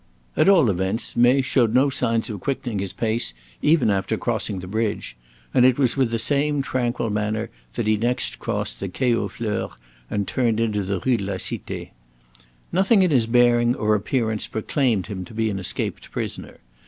At all events, May showed no signs of quickening his pace even after crossing the bridge; and it was with the same tranquil manner that he next crossed the Quai aux Fleurs and turned into the Rue de la Cite. Nothing in his bearing or appearance proclaimed him to be an escaped prisoner.